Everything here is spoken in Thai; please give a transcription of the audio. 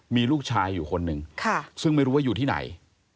มีลูกชายอยู่คนหนึ่งซึ่งไม่รู้ว่าอยู่ที่ไหน